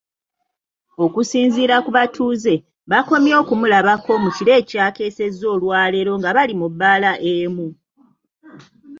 Okusinziira ku batuuze, bakomye okumulabako mu kiro ekyakeesezza olwaleero nga bali mu bbaala emu.